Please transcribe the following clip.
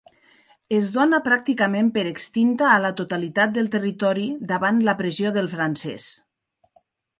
Es dóna pràcticament per extinta a la totalitat del territori davant la pressió del francès.